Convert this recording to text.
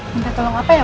masanya sama dia